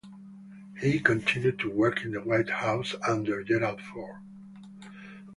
He continued to work in the White House under Gerald Ford.